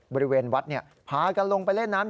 บริเวณวัดพากันลงไปเล่นน้ำ